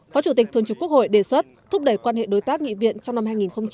phó chủ tịch thường trực quốc hội đề xuất thúc đẩy quan hệ đối tác nghị viện trong năm hai nghìn hai mươi